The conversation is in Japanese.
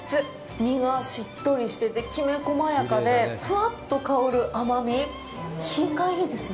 身がしっとりしてて、きめ細やかでふわっと香る甘み、品がいいですね。